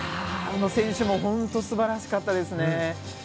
宇野選手も本当に素晴らしかったですね。